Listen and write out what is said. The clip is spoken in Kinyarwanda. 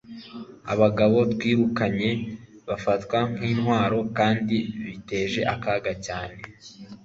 abagabo twirukanye bafatwa nkintwaro kandi biteje akaga cyane